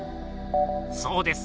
そうです。